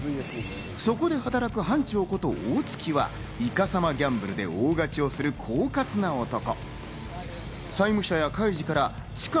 そこで働く班長こと・大槻はイカサマギャンブルで大勝ちをする狡猾な男。